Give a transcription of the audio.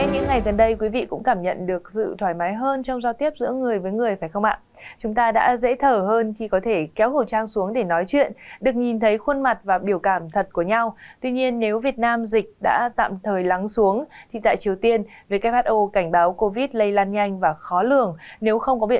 hãy đăng ký kênh để ủng hộ kênh của chúng mình nhé